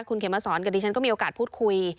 คุณเขมสอนกับดิฉันก็มีโอกาสพูดคุย